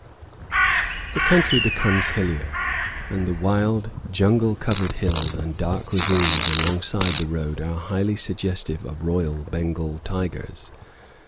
The country becomes hillier, and the wild, jungle covered hills and dark ravines alongside the road are highly suggestive of royal Bengal tigers.